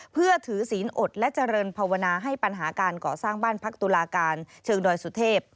เพื่อถือศีลอดและเจริญภาวนาให้ปัญหาการก่อสร้างบ้านพักตุลาการเชิงดอยสุเทพ